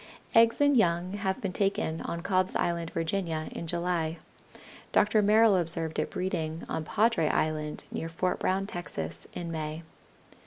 Eggs and young have been taken on Cobb's Island, Virginia, in July. Dr. Merrill observed it breeding on Padre Island, near Fort Brown, Texas, in May.